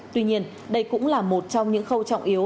tuy nhiên đây cũng là một trong những khâu trọng yếu